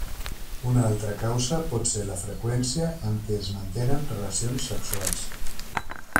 Una altra causa pot ser la freqüència amb què es mantenen relacions sexuals.